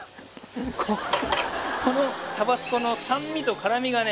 このタバスコの酸味と辛みがね